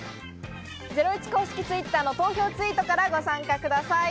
『ゼロイチ』公式Ｔｗｉｔｔｅｒの投票ツイートからご参加ください。